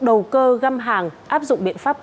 đầu cơ găm hàng áp dụng biện pháp